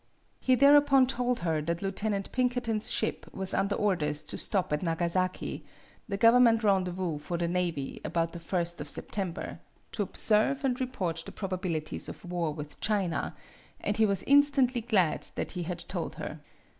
He thereupon told her that Lieutenant Pinkerton's ship was under orders to stop at Nagasaki, the government rendezvous for the navy, about the first of September, to 64 MADAME BUTTERFLY observe and report the probabilities of war with China; and he was instantly glad that he had told her.